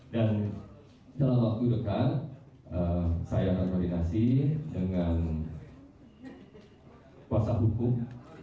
dan dalam waktu dekat saya akan koordinasi dengan kuasa hukum